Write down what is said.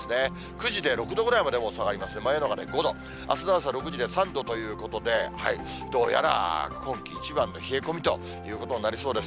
９時で６度ぐらいまで、もう下がりまして真夜中で５度、あすの朝６時で３度ということで、どうやら今季一番の冷え込みということになりそうです。